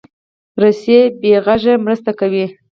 رسۍ بې غږه مرسته کوي.